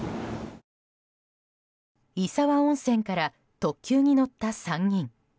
石和温泉から特急に乗った３人。